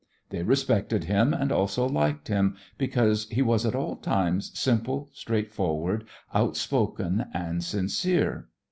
They respected him and also liked him, because he was at all times simple, straightforward, outspoken, and sincere.